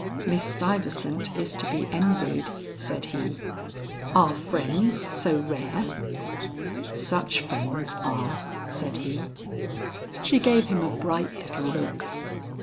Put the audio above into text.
"Miss Stuyvesant is to be envied," said he. "Are friends so rare?" "Such friends are," said he. She gave him a bright little look.